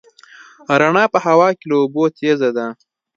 رڼا په هوا کې له اوبو تېزه ده.